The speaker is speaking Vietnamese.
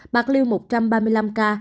bạc liêu một ba mươi năm ca